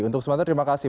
untuk semuanya terima kasih